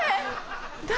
誰？